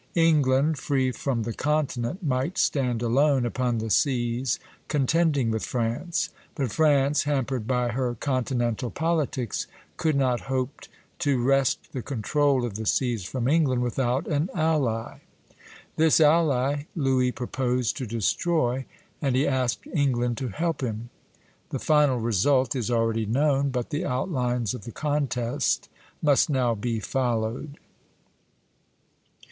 England, free from the continent, might stand alone upon the seas contending with France; but France, hampered by her continental politics, could not hope to wrest the control of the seas from England without an ally. This ally Louis proposed to destroy, and he asked England to help him. The final result is already known, but the outlines of the contest must now be followed.